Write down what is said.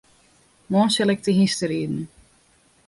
Moarn sil ik te hynsteriden.